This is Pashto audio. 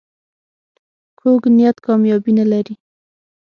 کوږ نیت کامیابي نه لري